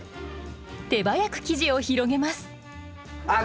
手早く生地を広げますあっ